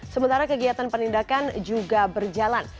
sementara kegiatan penindakan juga berjalan